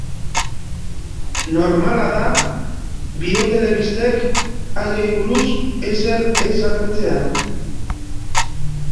Normala da biotelebistek haiei buruz ezer ez agertzea.